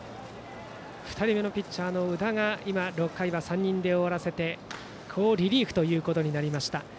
２人目のピッチャー宇田が６回は３人で終わらせて好リリーフとなりました。